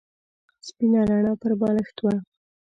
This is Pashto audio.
سپینه رڼا پر بالښت وه.